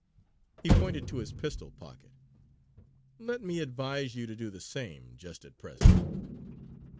he pointed to his pistol pocket. "Let me advise you to do the same just at present!"